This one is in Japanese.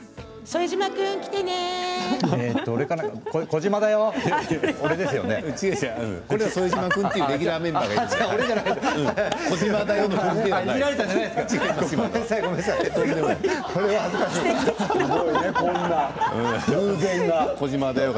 副島君っていうレギュラーメンバーがいまして児嶋だよ！